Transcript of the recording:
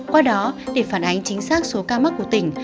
qua đó để phản ánh chính xác số ca mắc của tỉnh